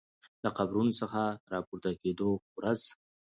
له قبرونو څخه د راپورته کیدو ورځ